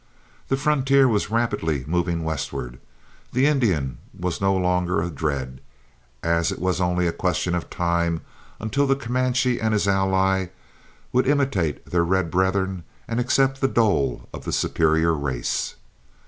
The frontier was rapidly moving westward, the Indian was no longer a dread, as it was only a question of time until the Comanche and his ally would imitate their red brethren and accept the dole of the superior race.